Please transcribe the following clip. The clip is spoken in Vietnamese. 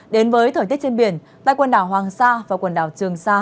đến với thời tiết trên biển tại quần đảo hoàng sa và quần đảo trường sa